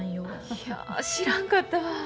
いや知らんかったわ。